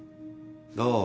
どう？